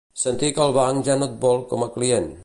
Sentir que el banc ja no et vol com a client.